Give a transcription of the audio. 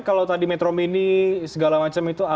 kalau tadi metro mini segala macam itu